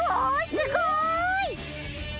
すごい！